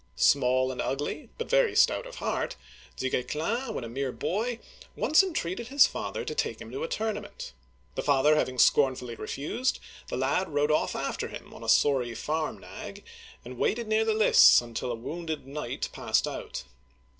Small and ugly, but very stout of heart, Du Gues clin, when a mere boy, once entreated his father to take him to a tournament. The father having scornfully refused, the lad rode off after him on a sorry farm nag, and waited near the lists until a wounded knight passed out.